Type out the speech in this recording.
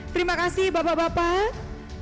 terima kasih bapak bapak